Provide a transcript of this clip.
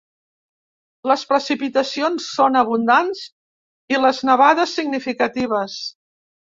Les precipitacions són abundants i les nevades significatives.